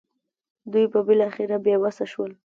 دوی به بالاخره بې وسه شول.